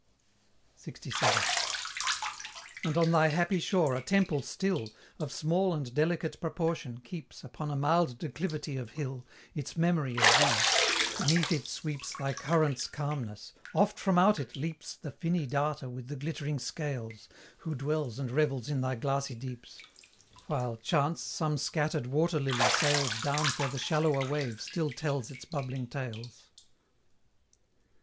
LXVII. And on thy happy shore a temple still, Of small and delicate proportion, keeps, Upon a mild declivity of hill, Its memory of thee; beneath it sweeps Thy current's calmness; oft from out it leaps The finny darter with the glittering scales, Who dwells and revels in thy glassy deeps; While, chance, some scattered water lily sails Down where the shallower wave still tells its bubbling tales.